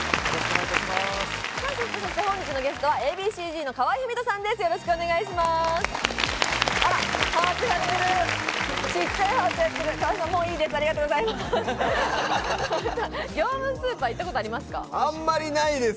本日のゲストはＡ．Ｂ．Ｃ−Ｚの河合郁人さんです。